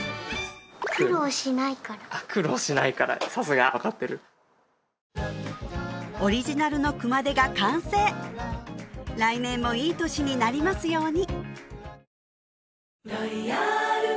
苦労しないからあっ苦労しないからさすが分かってるオリジナルの熊手が完成来年もいい年になりますように！